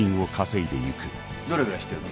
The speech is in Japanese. どれぐらい知ってるの？